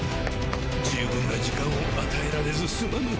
充分な時間を与えられずすまぬ。